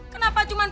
kenapa cuma pusing